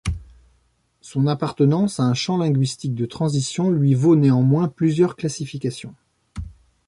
Son appartenance à un champ linguistique de transition lui vaut néanmoins plusieurs classifications.